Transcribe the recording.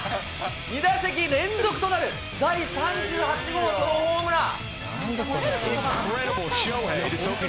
２打席連続となる３８号ソロホームラン。